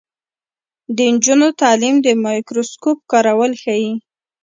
د نجونو تعلیم د مایکروسکوپ کارول ښيي.